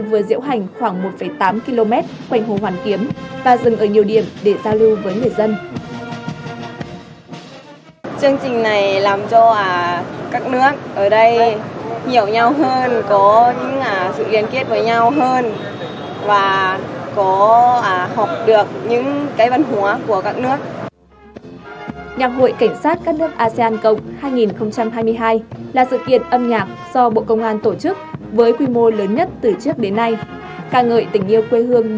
vừa biểu diễn các nhạc công vừa diễu hành khoảng một tám km